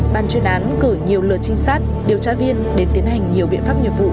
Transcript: ban chuyên án cử nhiều lượt trinh sát điều tra viên đến tiến hành nhiều biện pháp nhiệm vụ